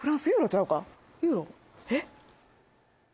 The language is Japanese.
えっ？